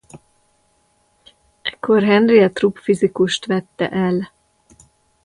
Ekkor Henriette Rupp fizikust vette el.